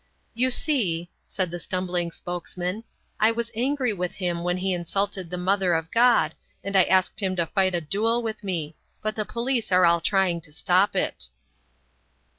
"You see," said the stumbling spokesman, "I was angry with him when he insulted the Mother of God, and I asked him to fight a duel with me; but the police are all trying to stop it."